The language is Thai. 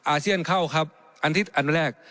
อาเซียนเข้าครับอันที่อันแรก